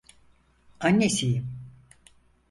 Annesiyim.